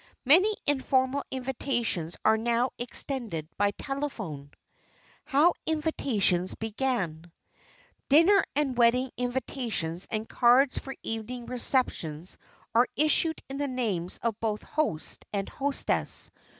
Many informal invitations are now extended by telephone. [Sidenote: HOW INVITATIONS BEGIN] Dinner and wedding invitations and cards for evening receptions are issued in the names of both host and hostess.